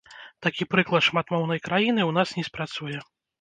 Такі прыклад шматмоўнай краіны ў нас не спрацуе.